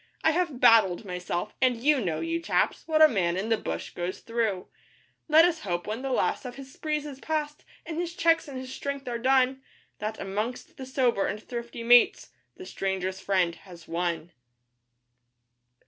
I have 'battled' myself, and you know, you chaps, what a man in the bush goes through; Let us hope when the last of his sprees is past, and his cheques and his strength are done, That, amongst the sober and thrifty mates, the Stranger's Friend has one.